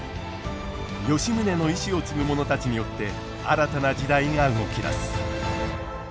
吉宗の遺志を継ぐ者たちによって新たな時代が動き出す。